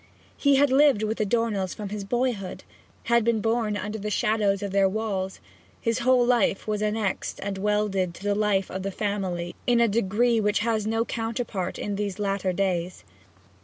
He had lived with the Dornells from his boyhood, had been born under the shadow of their walls; his whole life was annexed and welded to the life of the family in a degree which has no counterpart in these latter days.